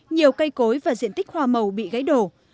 nhiều cây cối và diện tích hoa màu bị gãy đổ